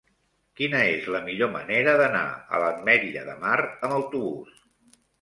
Quina és la millor manera d'anar a l'Ametlla de Mar amb autobús?